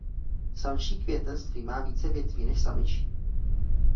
Samčí květenství má více větví než samičí.